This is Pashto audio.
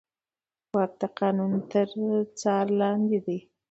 واک د قانون تر څار لاندې دی.